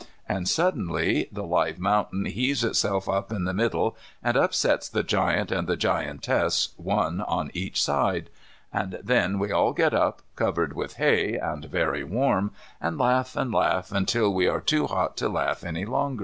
And suddenly the live mountain heaves itself up in the middle, and upsets the giant and the giantess one on each side. And then we all get up covered with hay and very warm, and laugh and laugh until we are too hot to laugh any longer.